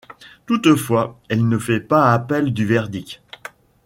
Toutefois, elle ne fait pas appel du verdict.